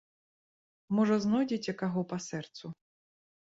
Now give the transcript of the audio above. Можа, знойдзеце каго па сэрцу.